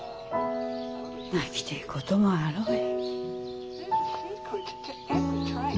泣きてえこともあろうえ。